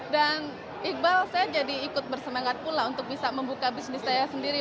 dan iqbal saya jadi ikut bersemangat pula untuk bisa membuka bisnis saya sendiri